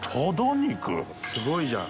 すごいじゃん。